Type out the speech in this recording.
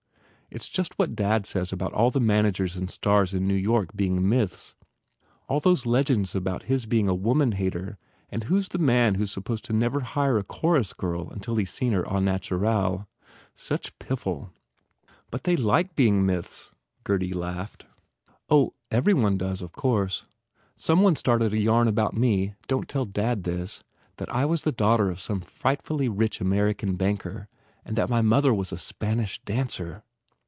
It s just what dad says about all the managers and stars in New York being myths. All those legends about his being a woman hater and who s the man who s supposed to never hire a chorus girl until he s seen her au naturel? Such piffle!" "But they like being myths," Gurdy laughed. MARGOT "Oh, every one does, of course. Some one started a yarn about me don t tell dad this that I was the daughter of some frightfully rich American banker and that my mother was a Spanish dancer.